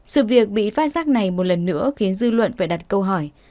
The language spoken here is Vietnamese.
sự việc bị phát giác này một lần nữa khiến dư luận phải đặt câu hỏi